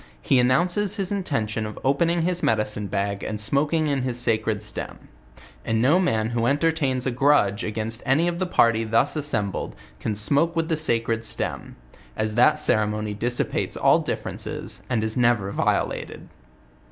he announces his intention of opening his medicine bag and smoking in his sacred stem; and no man who en tertains a grudge against any of the party thus assembled, can smoke with the sacred stem; as that ceremony dissipates all differences, and is never violated.